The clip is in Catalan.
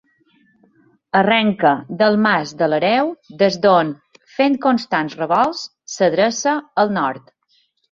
Arrenca del Mas de l'Hereu, des d'on, fent constants revolts, s'adreça al nord.